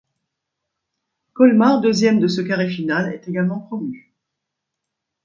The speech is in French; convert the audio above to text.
Colmar deuxième de ce carré final est également promu.